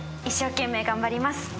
一生懸命頑張ります。